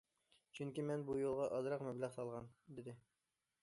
چۈنكى مەن بۇ يولغا ئازراق مەبلەغ سالغان،- دېدى.